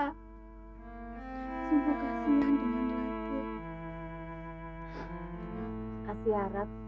semoga tuhan dengan ratu